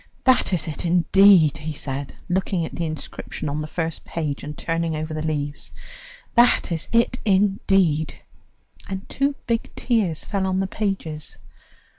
"That is it indeed," he said, looking at the inscription on the first page and turning over the leaves; "that is it indeed," and two big tears fell on the pages.